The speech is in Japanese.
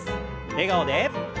笑顔で。